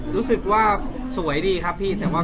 รู้สึกว่าสวยดีครับพี่แต่ว่า